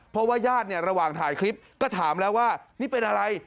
เพราะว่าญาติเนี่ยระหว่างถ่ายคลิปก็ถามแล้วว่านี่เป็นอะไร